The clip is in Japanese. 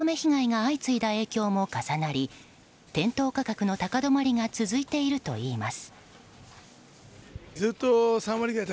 熊本県などのキャベツ産地で大雨被害が相次いだ影響も重なり店頭価格の高止まりが続いているといいます。